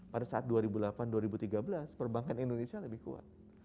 pada saat dua ribu delapan dua ribu tiga belas perbankan indonesia lebih kuat